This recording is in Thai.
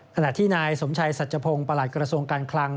ขณะที่นายสมชัยสัจพงศ์ประหลัดกระทรวงการคลัง